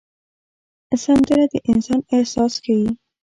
سندره د انسان احساس ښيي